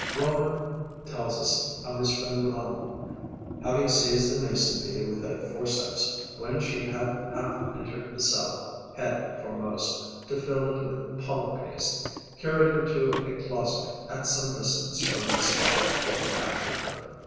Reaumur tells us how his friend Duhamel, having seized a Mason bee with a forceps when she had half entered the cell, head foremost, to fill it with pollen paste, carried her to a closet at some distance from the spot where he captured her.